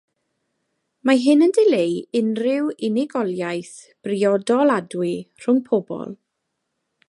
Mae hyn yn dileu unrhyw unigoliaeth briodoladwy rhwng pobl.